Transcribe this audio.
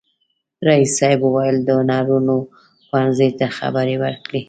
رئیس صاحب وویل د هنرونو پوهنځي ته خبرې وکړي.